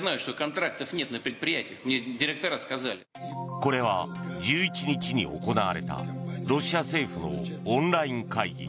これは１１日に行われたロシア政府のオンライン会議。